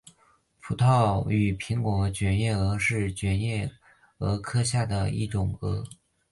葡萄与苹果卷叶蛾是卷叶蛾科下的一种蛾。